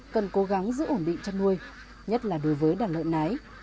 cần cố gắng giữ ổn định chăn nuôi nhất là đối với đàn lợn nái